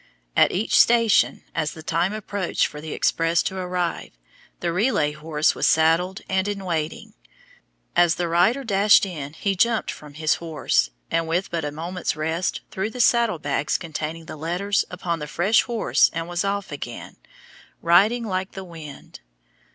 At each station, as the time approached for the express to arrive, the relay horse was saddled and in waiting. As the rider dashed in he jumped from his horse, and with but a moment's rest, threw the saddle bags containing the letters upon the fresh horse and was off again, riding like the wind.